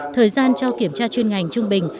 thời gian cho kiểm tra chuyên ngành trung bình